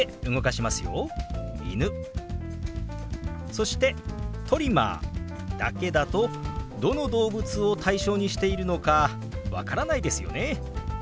そして「トリマー」だけだとどの動物を対象にしているのか分からないですよね。